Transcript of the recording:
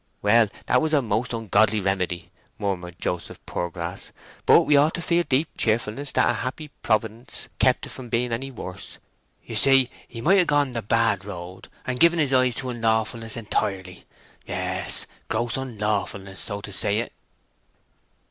"Well, 'twas a most ungodly remedy," murmured Joseph Poorgrass; "but we ought to feel deep cheerfulness that a happy Providence kept it from being any worse. You see, he might have gone the bad road and given his eyes to unlawfulness entirely—yes, gross unlawfulness, so to say it."